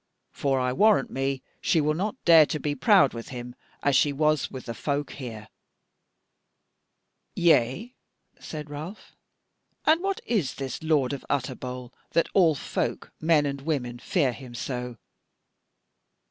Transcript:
For I warrant me that she will not dare to be proud with him, as she was with the folk here." "Yea," said Ralph, "and what is this lord of Utterbol that all folk, men and women, fear him so?"